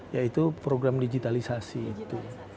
yaitu program digitalisasi itu